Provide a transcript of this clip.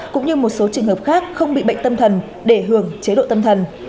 cũng như một số trường hợp khác không bị bệnh tâm thần để hưởng chế độ tâm thần